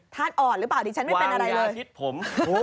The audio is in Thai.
ทานอ่อนรึเปล่าถึงฉันไม่เป็นอะไรเลยวางยาฮิตผม